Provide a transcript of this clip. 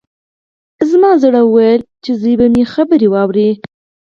زما زړه ویل چې زوی به مې خبرې واوري